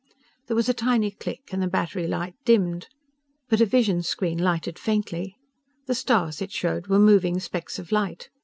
There was a tiny click, and the battery light dimmed. But a vision screen lighted faintly. The stars it showed were moving specks of light.